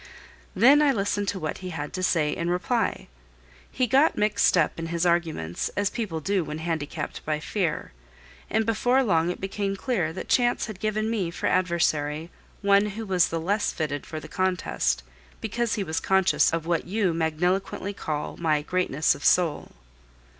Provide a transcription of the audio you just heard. Then I listened to what he had to say in reply. He got mixed up in his arguments, as people do when handicapped by fear; and before long it became clear that chance had given me for adversary one who was the less fitted for the contest because he was conscious of what you magniloquently call my "greatness of soul."